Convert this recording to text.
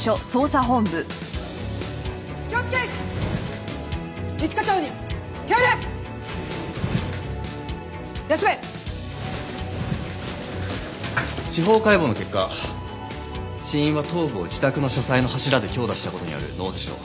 司法解剖の結果死因は頭部を自宅の書斎の柱で強打した事による脳挫傷。